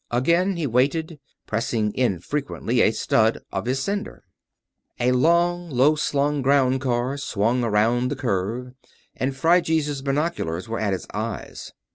Again he waited, pressing infrequently a stud of his sender. A long, low slung ground car swung around the curve and Phryges' binoculars were at his eyes.